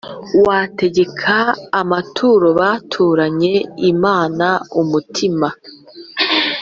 wategekaga amaturo baturanye Imana umutima